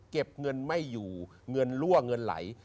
เก็บเงินไม่อยู่เงินรั่วเงินไหล